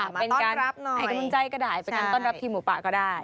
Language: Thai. มาตอนรับน้อยให้กำลังใจก็ได้เป็นการตอนรับทีมหมู่ปะก็ได้